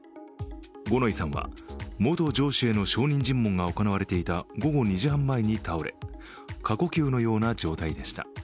五ノ井さんは元上司への証人尋問が行われていた午後２時半前に倒れ過呼吸のような状態でした。